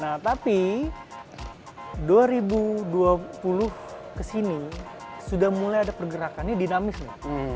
nah tapi dua ribu dua puluh kesini sudah mulai ada pergerakannya dinamis nih